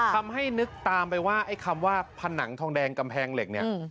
ทำให้นึกตามไปว่าไอ้คำว่าผนังทองแดงกำแพงเหล็กเนี่ย